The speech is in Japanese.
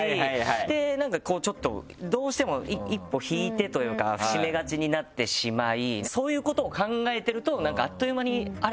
なんかちょっとどうしても一歩引いてというか伏し目がちになってしまいそういうことを考えてるとあっという間にあれ？